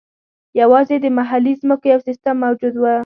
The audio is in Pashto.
یوازې د محلي ځمکو یو سیستم موجود و.